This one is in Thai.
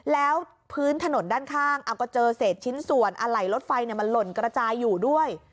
แล้วพื้นถนนด้านข้างก็เจอเศษชิ้นส่วนอะไหล่รถไฟมันหล่นกระจายอยู่ด้วย